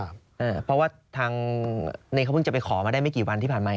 เพราะว่าทางเนยเขาเพิ่งจะไปขอมาได้ไม่กี่วันที่ผ่านมา